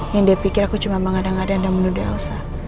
yang dia pikir aku cuma bangada ngada dan menuduh elsa